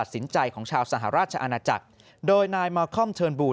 สินใจของชาวสหราชอาณาจักรโดยนายมาลเขิมเติร์นบรูซ